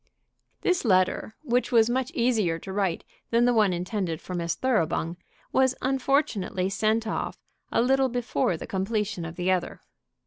This letter, which was much easier to write than the one intended for Miss Thoroughbung, was unfortunately sent off a little before the completion of the other.